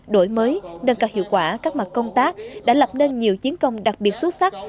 đổi mới nâng cao hiệu quả các mặt công tác đã lập nên nhiều chiến công đặc biệt xuất sắc